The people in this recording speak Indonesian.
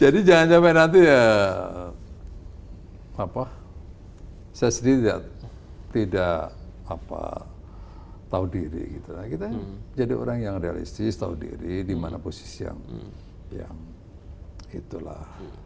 jadi jangan sampai nanti ya apa saya sendiri tidak tahu diri gitu kita jadi orang yang realistis tahu diri di mana posisi yang itulah